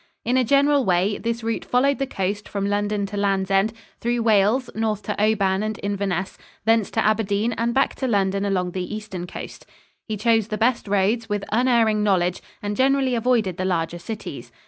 In a general way, this route followed the coast from London to Land's End, through Wales north to Oban and Inverness, thence to Aberdeen and back to London along the eastern coast. He chose the best roads with unerring knowledge and generally avoided the larger cities.